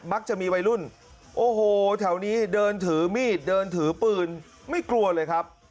จะมีวัยรุ่นโอ้โหแถวนี้เดินถือมีดเดินถือปืนไม่กลัวเลยครับ